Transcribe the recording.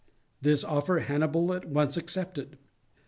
This offer Hannibal at once accepted.